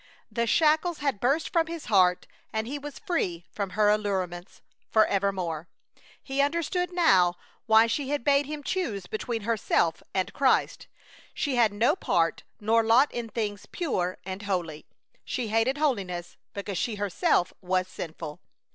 The shackles had burst from his heart and he was free from her allurements for evermore! He understood now why she had bade him choose between herself and Christ. She had no part nor lot in things pure and holy. She hated holiness because she herself was sinful!